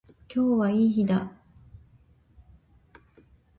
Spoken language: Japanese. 今日はいい日だ。